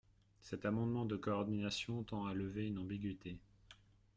Cet amendement de coordination tend à lever une ambiguïté.